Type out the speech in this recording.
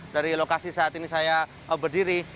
dari lokasi saat ini saya berdiri